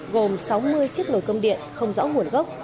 gồm sáu mươi chiếc nồi cơm điện không rõ nguồn gốc